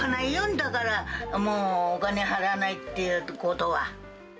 だから、もう、お金払えないっていうことは。